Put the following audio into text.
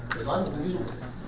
để nói một ví dụ